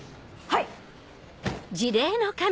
はい！